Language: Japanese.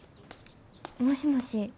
もしもし。